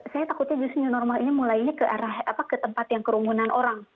saya takutnya just new normal ini mulainya ke arah tempat yang kerumunan orang